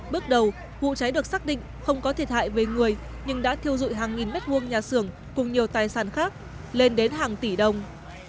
bước đầu vụ cháy được xác định không có thiệt hại về người nhưng đã thiêu dụi hàng nghìn mét vuông nhà xưởng cùng nhiều tài sản khác lên đến hàng tỷ đồng